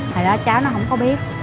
thì đó cháu nó không có biết